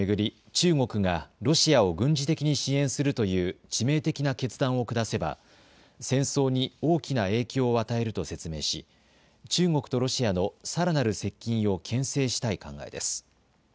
中国がロシアを軍事的に支援するという致命的な決断を下せば戦争に大きな影響を与えると説明し中国とロシアのさらなる接近をけん制したい考えです。